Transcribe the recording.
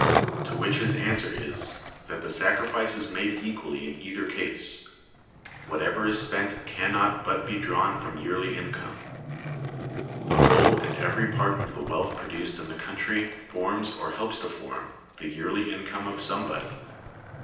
To which his answer is, that the sacrifice is made equally in either case. Whatever is spent can not but be drawn from yearly income. The whole and every part of the wealth produced in the country forms, or helps to form, the yearly income of somebody.